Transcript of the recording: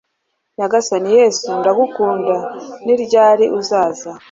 nyagasani yezu ndagukunda, ni ryari uzaza